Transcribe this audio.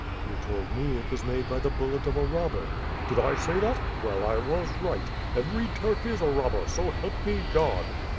"You told me it was made by the bullet of a robber." "Did I say that? Well, I was right. Every Turk is a robber, so help me God."